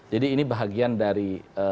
jadi ini bahagian dari